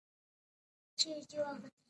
غزني د افغانستان د جغرافیې بېلګه ده.